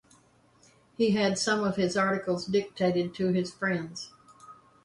He had some of his articles dictated to his friends.